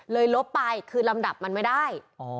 ลบไปคือลำดับมันไม่ได้